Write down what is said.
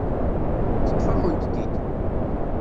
Teṭṭef-akent-t-id.